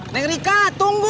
neng rika tunggu